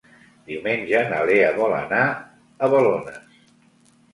Diumenge na Lea vol anar a Balones.